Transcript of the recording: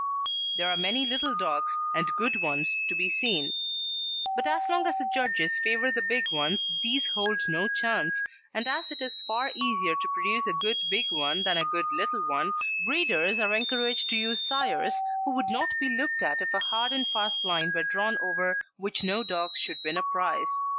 There are many little dogs, and good ones, to be seen, but as long as the judges favour the big ones these hold no chance, and as it is far easier to produce a good big one than a good little one, breeders are encouraged to use sires who would not be looked at if a hard and fast line were drawn over which no dogs should win a prize.